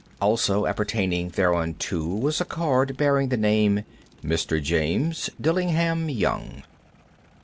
Also appertaining thereunto was a card bearing the name "Mr. James Dillingham Young."